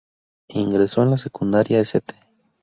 Ingresó en la secundaria St.